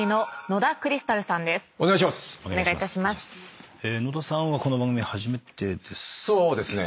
野田さんはこの番組初めてですっけ？